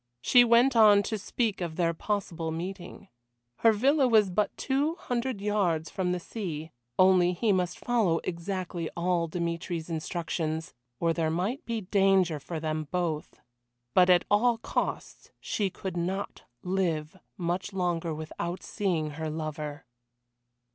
She went on to speak of their possible meeting. Her villa was but two hundred yards from the sea, only he must follow exactly all Dmitry's instructions, or there might be danger for them both; but at all costs she could not live much longer without seeing her lover.